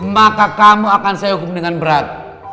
maka kamu akan saya hukum dengan berat